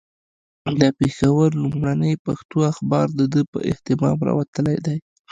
د پېښور لومړنی پښتو اخبار د ده په اهتمام راوتلی دی.